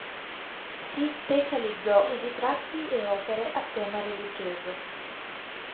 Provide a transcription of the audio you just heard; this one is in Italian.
Si specializzò in ritratti e opere a tema religioso.